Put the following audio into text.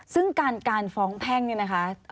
ซึ่งการฟ้องแพ่งเนี่ยนะคะ